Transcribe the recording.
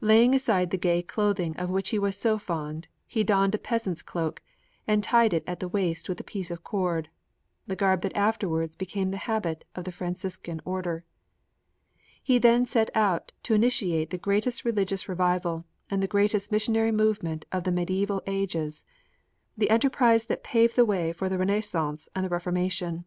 Laying aside the gay clothing of which he was so fond, he donned a peasant's cloak and tied it at the waist with a piece of cord the garb that afterwards became the habit of the Franciscan Order. He then set out to initiate the greatest religious revival and the greatest missionary movement of the mediæval ages the enterprise that paved the way for the Renaissance and the Reformation.